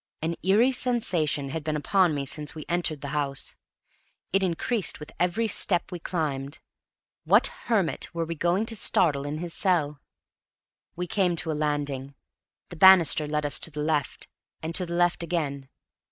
An eerie sensation had been upon me since we entered the house. It increased with every step we climbed. What hermit were we going to startle in his cell? We came to a landing. The banisters led us to the left, and to the left again.